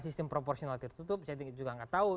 sistem proporsional tertutup jadi juga gak tahu